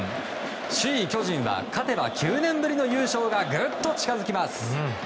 首位、巨人は勝てば９年ぶりの優勝がぐっと近づきます。